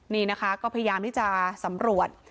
นี่นะคะก็พยายามที่จะสำรวจ